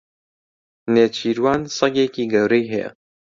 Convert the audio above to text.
نێچیروان سەگێکی گەورەی هەیە.